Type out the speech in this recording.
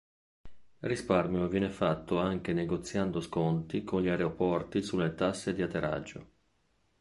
Risparmio viene fatto anche negoziando sconti con gli aeroporti sulle tasse di atterraggio.